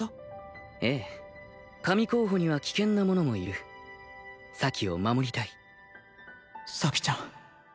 ええ神候補には危険な者もいる咲を守りたい咲ちゃん